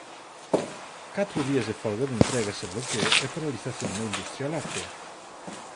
Catro días de folga de entregas e bloqueo e paralización da industria láctea.